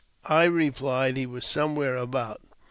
I replied he was somewhere about.